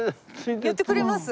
寄ってくれます？